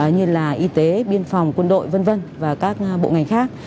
như là y tế biên phòng quân đội v v và các bộ ngành khác